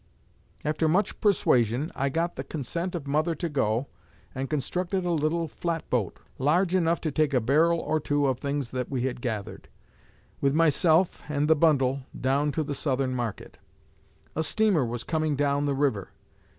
After much persuasion, I got the consent of mother to go, and constructed a little flatboat, large enough to take a barrel or two of things that we had gathered, with myself and the bundle, down to the Southern market. A steamer was coming down the river.